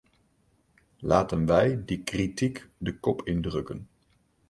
Laten wij die kritiek de kop indrukken.